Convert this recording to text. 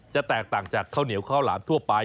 จะแตกต่างจากข้าวเหนียวข้าวหลามทั่วไป